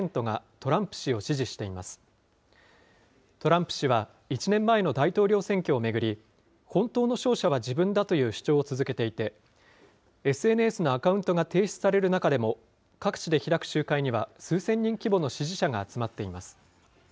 トランプ氏は、１年前の大統領選挙を巡り、本当の勝者は自分だという主張を続けていて、ＳＮＳのアカウントが停止される中でも、各地で開く集会には、数千人規模の支持者が集まっています。